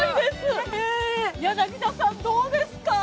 柳田さん、どうですか。